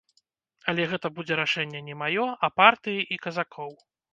Але гэта будзе рашэнне не маё, а партыі і казакоў.